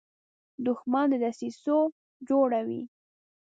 دښمن د دسیسو جوړه وي